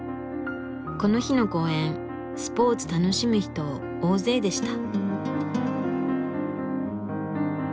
この日の公園スポーツ楽しむ人大勢でした。